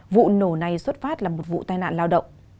vụ nổ này xuất phát là một vụ tai nạn lao động